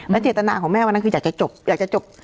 เจตนาของแม่วันนั้นคืออยากจะจบอยากจะจบ